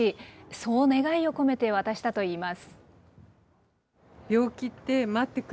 そう願いを込めて渡したといいます。